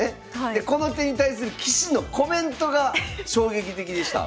でこの手に対する棋士のコメントが衝撃的でした。